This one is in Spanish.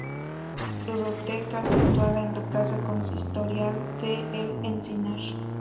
Ludoteca situada en la casa consistorial de El Encinar.